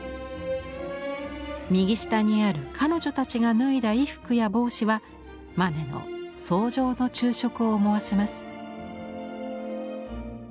右下にある彼女たちが脱いだ衣服や帽子はマネの「草上の昼食」を思わせます。